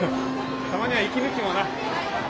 たまには息抜きもな。